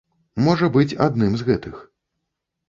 Можа быць, адным з гэтых.